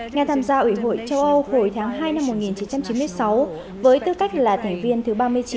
nga tham gia ủy hội châu âu hồi tháng hai năm một nghìn chín trăm chín mươi sáu với tư cách là thành viên thứ ba mươi chín